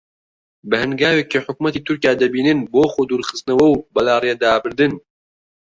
بە هەنگاوێکی حکوومەتی تورکیا دەبینن بۆ خۆدوورخستنەوە و بەلاڕێدابردن